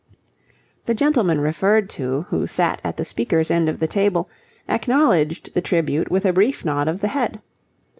The gentleman referred to, who sat at the speaker's end of the table, acknowledged the tribute with a brief nod of the head.